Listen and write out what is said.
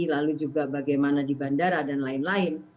lalu juga bagaimana di bandara dan lain lain